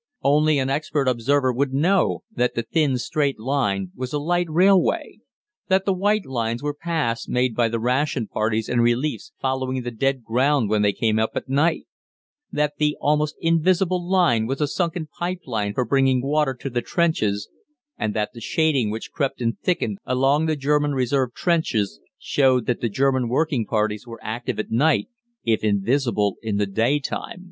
Only an expert observer would know that the thin straight line was a light railway; that the white lines were paths made by the ration parties and reliefs following the dead ground when they came up at night; that the almost invisible line was a sunken pipe line for bringing water to the trenches, and that the shading which crept and thickened along the German reserve trenches showed that the German working parties were active at night if invisible in the day time.